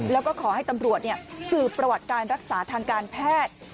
แล้วก็ขอให้ตำรวจสืบประวัติการรักษาทางการแพทย์